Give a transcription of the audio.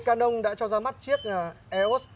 canon đã cho ra mắt chiếc eos